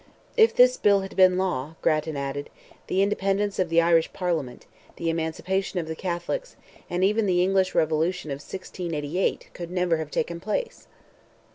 "If this bill had been law," Grattan added, "the independence of the Irish Parliament, the emancipation of the Catholics, and even the English revolution of 1688, could never have taken place!"